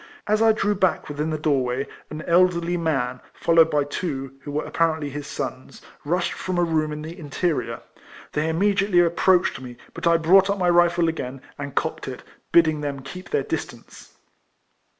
As I drew back within the door way, an elderly man, followed by two, who 222 RECOLLECTIONS OF were npparently liis sons, rushed from a room in the interior. They immediately ap proaclied me; ])iit I brought up my rifle again, and cocked it, bidding tliem keep their distance.